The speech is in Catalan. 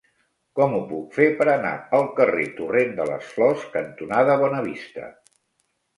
Com ho puc fer per anar al carrer Torrent de les Flors cantonada Bonavista?